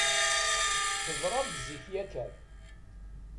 Teḍra-d zik yakan.